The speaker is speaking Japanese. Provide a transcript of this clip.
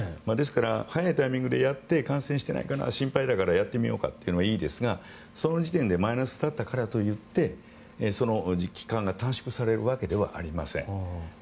ですから早いタイミングで感染してないかな心配だからやってみようというのはいいんですがマイナスだったからと言ってその期間が短縮されるわけではありません。